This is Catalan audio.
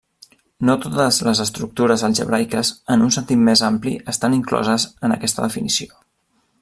No totes les estructures algebraiques en un sentit més ampli estan incloses en aquesta definició.